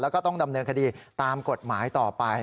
แล้วก็ต้องดำเนินคดีตามกฎหมายต่อไป